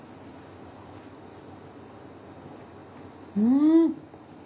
うん！